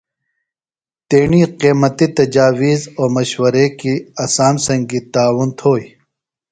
تیݨی قیمتی تجاویز او مشورے کیۡ اسام سنگی تعاون تھوئی۔